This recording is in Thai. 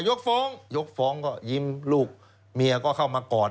ยกฟ้องยกฟ้องก็ยิ้มลูกเมียก็เข้ามากอด